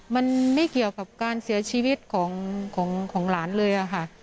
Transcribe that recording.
มันไม่เกี่ยวกับการเสียชีวิตของหลานเลยค่ะ